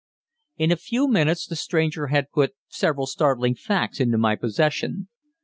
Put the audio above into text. In a few minutes the stranger had put several startling facts into my possession.